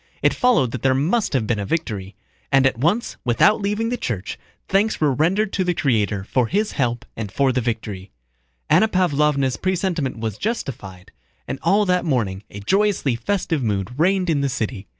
It followed that there must have been a victory. And at once, without leaving the church, thanks were rendered to the Creator for His help and for the victory. Anna Pávlovna's presentiment was justified, and all that morning a joyously festive mood reigned in the city.